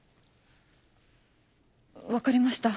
分かりました。